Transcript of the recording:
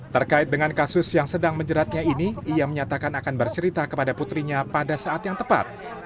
terkait dengan kasus yang sedang menjeratnya ini ia menyatakan akan bercerita kepada putrinya pada saat yang tepat